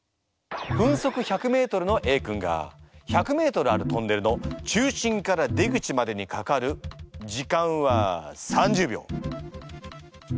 分速１００ｍのＡ君が１００ｍあるトンネルの中心から出口までにかかる時間は３０秒。